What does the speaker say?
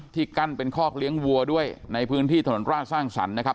กั้นเป็นคอกเลี้ยงวัวด้วยในพื้นที่ถนนราชสร้างสรรค์นะครับ